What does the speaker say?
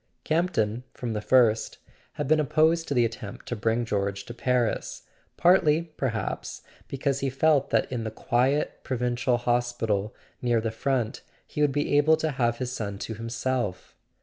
Campton, from the first, had been opposed to the attempt to bring George to Paris; partly perhaps be¬ cause he felt that in the quiet provincial hospital near the front he would be able to have his son to himself.